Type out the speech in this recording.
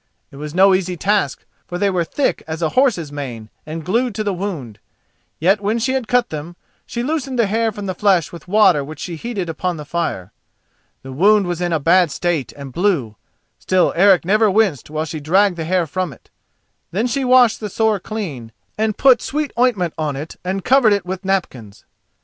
It was no easy task, for they were thick as a horse's mane, and glued to the wound. Yet when she had cut them, she loosened the hair from the flesh with water which she heated upon the fire. The wound was in a bad state and blue, still Eric never winced while she dragged the hair from it. Then she washed the sore clean, and put sweet ointment on it and covered it with napkins.